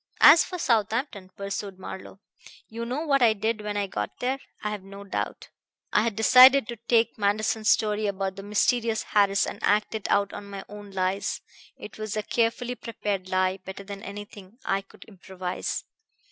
"As for Southampton," pursued Marlowe, "you know what I did when I got there, I have no doubt. I had decided to take Manderson's story about the mysterious Harris and act it out on my own lines. It was a carefully prepared lie, better than anything I could improvise.